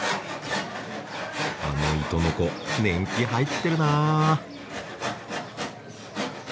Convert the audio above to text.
あの糸のこ年季入ってるな。